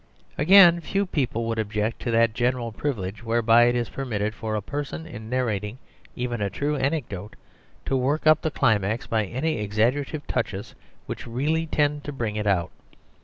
Again, few people would object to that general privilege whereby it is permitted to a person in narrating even a true anecdote to work up the climax by any exaggerative touches which really tend to bring it out.